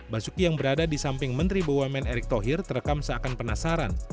basuki yang berada di samping menteri bumn erick thohir terekam seakan penasaran